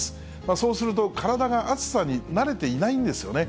そうすると、体が暑さに慣れていないんですよね。